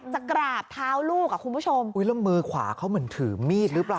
กราบเท้าลูกอ่ะคุณผู้ชมอุ้ยแล้วมือขวาเขาเหมือนถือมีดหรือเปล่า